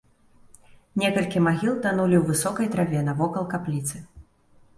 Некалькі магіл танулі ў высокай траве навокал капліцы.